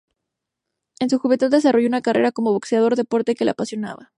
En su juventud desarrolló una carrera como boxeador, deporte que le apasionaba.